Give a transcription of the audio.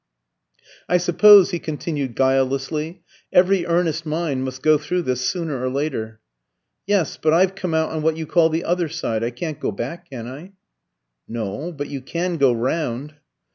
"I suppose," he continued guilelessly, "every earnest mind must go through this sooner or later." "Yes, but I've come out on what you call the other side. I can't go back, can I?" "No; but you can go round."